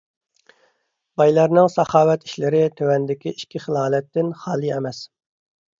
بايلارنىڭ ساخاۋەت ئىشلىرى تۆۋەندىكى ئىككى خىل ھالەتتىن خالىي ئەمەس: